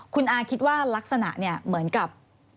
คุณอาคิดว่ารักษณะเนี่ยเหมือนกับ